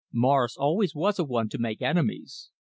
Morris always was a one to make enemies."